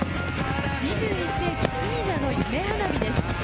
２１世紀、隅田の夢花火です。